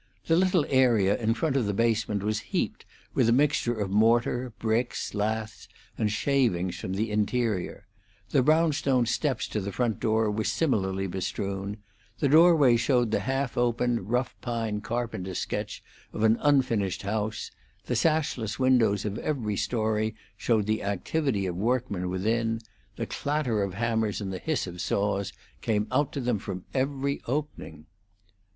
The little area in front of the basement was heaped with a mixture of mortar, bricks, laths, and shavings from the interior; the brownstone steps to the front door were similarly bestrewn; the doorway showed the half open, rough pine carpenter's sketch of an unfinished house; the sashless windows of every story showed the activity of workmen within; the clatter of hammers and the hiss of saws came out to them from every opening.